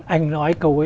anh nói câu ấy